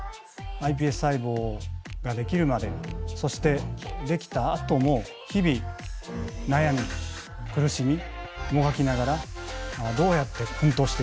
ｉＰＳ細胞ができるまでそしてできたあとも日々悩み苦しみもがきながらどうやって奮闘しているか。